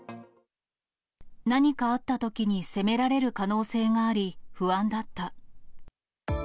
何かあったときに責められる可能性があり、不安だった。